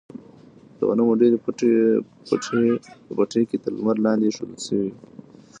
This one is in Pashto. د غنمو ډیرۍ په پټي کې تر لمر لاندې ایښودل شوې وه.